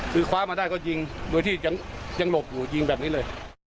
คือคว้ามาได้ก็ยิงโดยที่ยังหลบอยู่ยิงแบบนี้เลย